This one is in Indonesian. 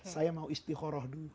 saya mau istiqoroh dulu